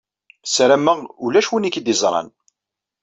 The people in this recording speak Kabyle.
Sarameɣ ulac win i k-id-iẓṛan.